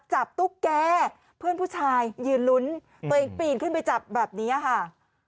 ตุ๊กแกเพื่อนผู้ชายยืนลุ้นตัวเองปีนขึ้นไปจับแบบนี้ค่ะ